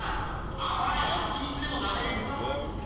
あまいハチミツでもなめてくか？